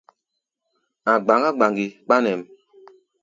A̧ gbaŋgá gbaŋgi kpa nɛ̌ʼm.